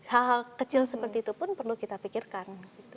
hal hal kecil seperti itu pun perlu kita pikirkan